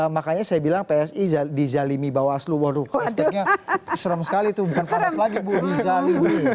makanya saya bilang psi di zalimi bawaslu waduh kristeknya serem sekali tuh bukan panas lagi bu di zalimi